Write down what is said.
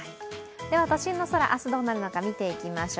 都心の空、明日どうなるのか見ていきましょう。